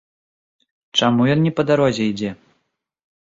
Чаму ён не па дарозе ідзе?